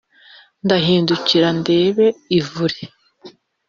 ndahindukira ndeba ivure